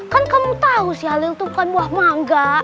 kan kamu tau si halil itu bukan buah mangga